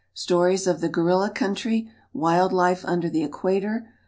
Stories of the Gorilla Country. Wild Life under the Equator.